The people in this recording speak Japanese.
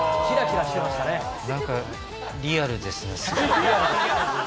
なんかリアルですね。